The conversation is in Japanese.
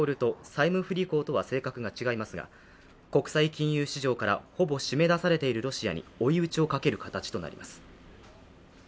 債務不履行とは性格が違いますが、国際金融市場からほぼ締め出されているロシアに追い打ちをかける形となります。